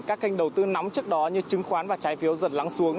các kênh đầu tư nóng trước đó như chứng khoán và trái phiếu dần lắng xuống